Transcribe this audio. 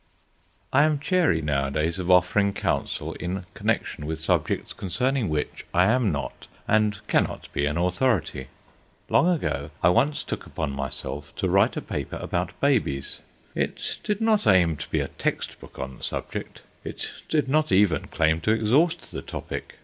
I AM chary nowadays of offering counsel in connection with subjects concerning which I am not and cannot be an authority. Long ago I once took upon myself to write a paper about babies. It did not aim to be a textbook on the subject. It did not even claim to exhaust the topic.